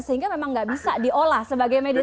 sehingga memang nggak bisa diolah sebagai medis